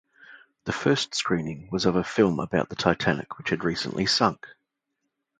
The first screening was of a film about the Titanic which had recently sunk.